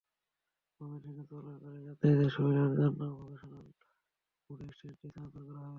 ময়মনসিংহে চলাচলকারী যাত্রীদের সুবিধার জন্য ভোকেশনাল মোড়ে স্ট্যান্ডটি স্থানান্তর করা হয়েছে।